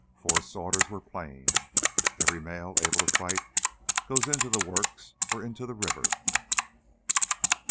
Forrest's orders were plain: Every male able to fight goes into the works, or into the river!